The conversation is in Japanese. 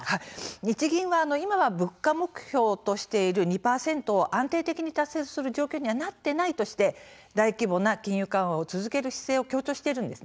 日銀は、今は物価の目標を２％としているんですがそれを安定的に達成する状況にはなっていないとして大規模な金融緩和を続ける姿勢を強調しているんです。